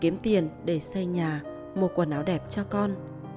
mua quần áo đẹp cho con